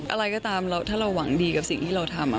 อะไรก็ตามถ้าเราหวังดีกับสิ่งที่เราทำ